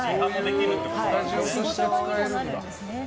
スタジオとして使えるんだ。